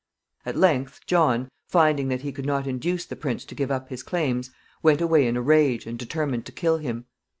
At length, John, finding that he could not induce the prince to give up his claims, went away in a rage, and determined to kill him.